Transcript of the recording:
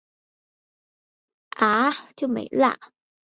该塔是圣马利诺三塔之中最高的一座。